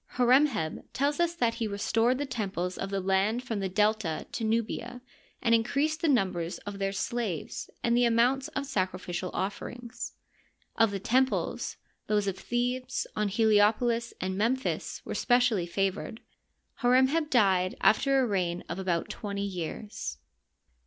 Hor em heb tells us that he restored the temples of the land from the Delta to Nubia and in creased the numbers of their slaves and the amounts of the sacrificial offerings. Of the temples, those of Thebes, On Heliopolis, and Memphis were specially favored. Hor em heb died aifter a reign of about twenty years.